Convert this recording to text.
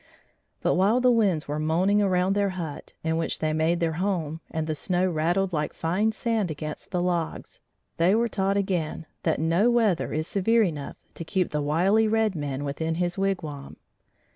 But while the winds were moaning around their hut, in which they made their home, and the snow rattled like fine sand against the logs, they were taught again that no weather is severe enough to keep the wily red man within his wigwam.